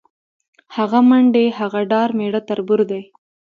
هغه منډې، هغه ډار میړه تربور دی